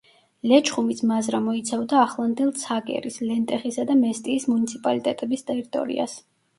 ლეჩხუმის მაზრა მოიცავდა ახლანდელ ცაგერის, ლენტეხისა და მესტიის მუნიციპალიტეტების ტერიტორიას.